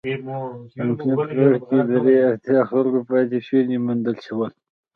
په افنټ غار کې د درې اتیا خلکو پاتې شوني موندل شول.